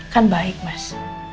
kan baik mas